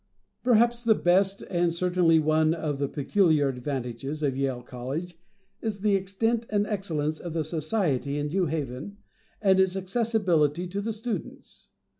Perhaps one of the best, and certainly one of the peculiar advantages of Yale College, is the extent and excellence of the society in New Haven, and its accessibility to the students.